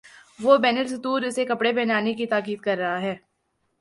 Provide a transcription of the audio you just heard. وہ بین السطور اسے کپڑے پہنانے کی تاکید کر رہا ہے۔